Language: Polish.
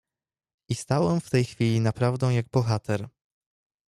"I stałem w tej chwili naprawdę jak bohater."